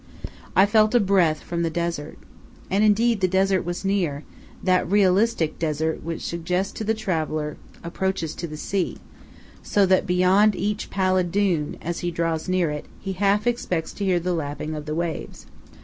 I felt a breath from the desert. And, indeed, the desert was near that realistic desert which suggests to the traveller approaches to the sea, so that beyond each pallid dune, as he draws near it, he half expects to hear the lapping of the waves.